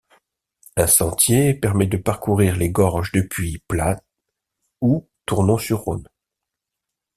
Un sentier permet de parcourir les gorges depuis Plats ou Tournon-sur-Rhône.